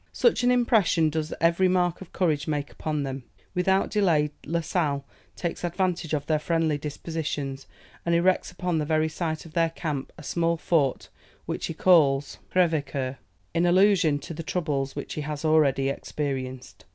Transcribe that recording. Such an impression does every mark of courage make upon them! Without delay, La Sale takes advantage of their friendly dispositions, and erects upon the very site of their camp, a small fort, which he calls Crèvecoeur, in allusion to the troubles which he has already experienced.